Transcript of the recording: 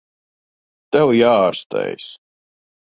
Tev jāārstējas.